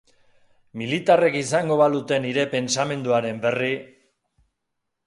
Militarrek izango balute nire pentsamenduaren berri!